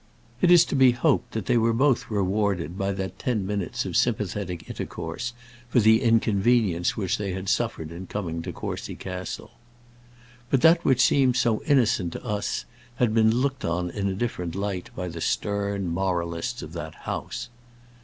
It is to be hoped that they both were rewarded by that ten minutes of sympathetic intercourse for the inconvenience which they had suffered in coming to Courcy Castle. But that which seems so innocent to us had been looked on in a different light by the stern moralists of that house.